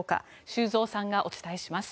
修造さんがお伝えします。